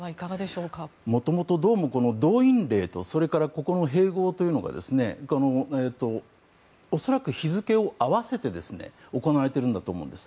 もともとどうも動員令とそれから併合というのが恐らく日付を合わせて行われているんだと思います。